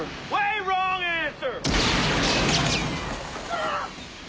あっ！